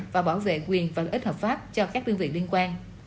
và bảo vệ quyền và lợi ích hợp pháp cho các biên viện liên quan